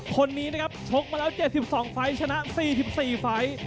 คนนี้นะครับชกมาแล้ว๗๒ไฟล์ชนะ๔๔ไฟล์